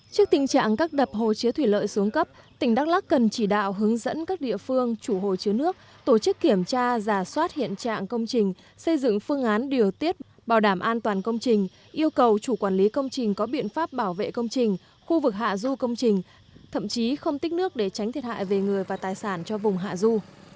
trước tình trạng các đập hồ chứa thủy lợi xuống cấp tỉnh đắk lắc cần chỉ đạo hướng dẫn các địa phương chủ hồ chứa nước tổ chức kiểm tra giả soát hiện trạng công trình xây dựng phương án điều tiết bảo đảm an toàn công trình yêu cầu chủ quản lý công trình có biện pháp bảo vệ công trình khu vực hạ du công trình thậm chí không tích nước để tránh thiệt hại về người và tài sản cho vùng hạ du